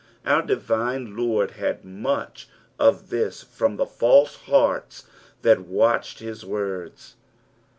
Our divine Lord had much of this from the false hearts that watched his words.